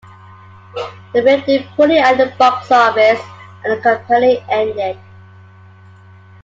The film did poorly at the box office, and the company ended.